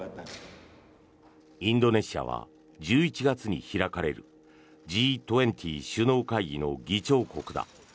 インドネシアは１１月に開かれるＧ２０首脳会議の議長国だ。